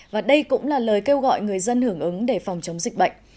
và đây cũng là lời kêu gọi người dân hưởng ứng để phòng chống dịch bệnh